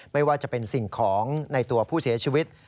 ไม่ว่าจะเป็นสิ่งของในตัวผู้เสียชีวิต